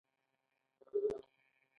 خوب ولې اړین دی؟